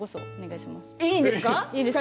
いいです。